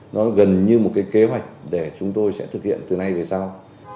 nó gần như một cái kế hoạch để chúng tôi sẽ thực hiện từ nay về sau